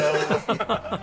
ハハハハ。